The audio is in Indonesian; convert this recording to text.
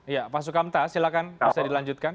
ya pak sukamta silahkan bisa dilanjutkan